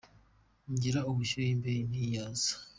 Ngira ubushyuhe imbeho ntiyaza